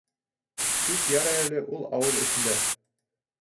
Тик ярай әле ул ауыҙ эсендә.